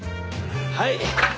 はい。